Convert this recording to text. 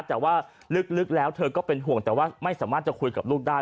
แต่ว่าลึกแล้วเธอก็เป็นห่วงแต่ว่าไม่สามารถจะคุยกับลูกได้